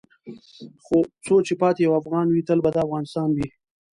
څو چې پاتې یو افغان وې تل به دا افغانستان وې .